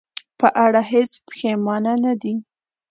په اړه هېڅ پښېمانه نه ده.